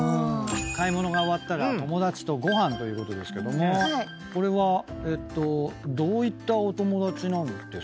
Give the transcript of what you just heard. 買い物が終わったら友達とご飯ということですけどもこれはどういったお友達なんですか？